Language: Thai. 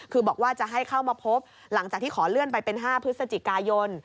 คือบอกว่าจะให้เข้ามาพบหลังจากที่ขอเลื่อนไปเป็น๕พฤศจิกายน